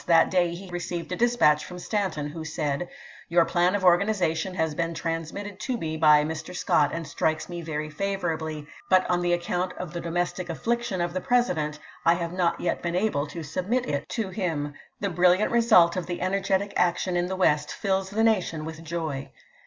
That day he received a dispatch from Stanton, who said: "Your plan of organization has been transmitted to me by Mr. Scott and strikes me very favorably, but on account of the domestic affliction of the ^Haiierk,'* Prcsidcut I have not yet been able to submit it to i8c'2? \v\ R. him. The brilliant result of the energetic action in Vol VII p.' 648. ■' the West fills the nation with joy."